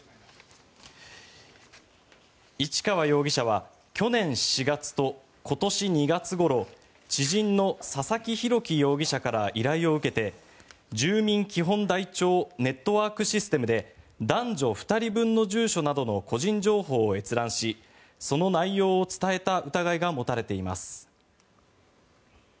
市川容疑者は去年４月と今年２月ごろ知人の佐々木洋樹容疑者から依頼を受けて住民基本台帳ネットワークシステムで男女２人分の住所などの個人情報を閲覧しその内容を伝えた疑いが持たれています。